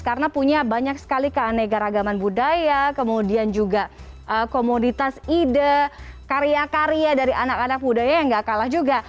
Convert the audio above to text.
komoditas ide karya karya dari anak anak budaya yang gak kalah juga